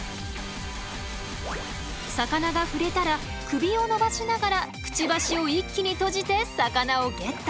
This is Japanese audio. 魚が触れたら首を伸ばしながらクチバシを一気に閉じて魚をゲット！